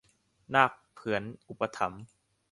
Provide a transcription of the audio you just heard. นาคเผื่อนอุปถัมภ์